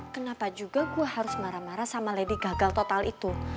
kenapa juga gue harus marah marah sama lady gagal total itu